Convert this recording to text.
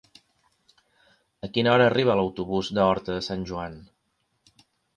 A quina hora arriba l'autobús de Horta de Sant Joan?